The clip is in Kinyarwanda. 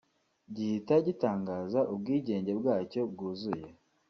gihita gitangaza ubwigenge bwacyo bwuzuye